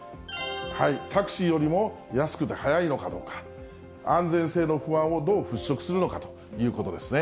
タクシーよりも安くて早いのかどうか、安全性の不安をどう払しょくするのかということですね。